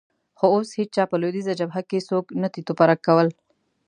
خو اوس هېڅ چا په لوېدیځه جبهه کې څوک نه تیت او پرک کول.